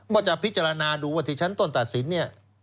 ก็จะพิจารณาดูว่าที่ชั้นต้นตัดสินเนี่ย